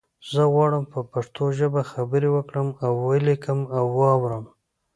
زه غواړم په پښتو ژبه خبری وکړم او ولیکم او وارم